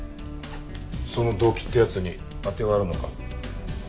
その動機ってやつに当てはあるのか？